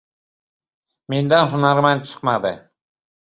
Mendan hunarmand chiqmadi.